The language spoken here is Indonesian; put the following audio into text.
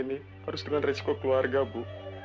pernikahan ini harus dengan resiko keluarga ibu